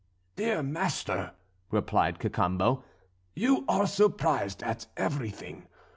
"Dear master," replied Cacambo; "you are surprised at everything.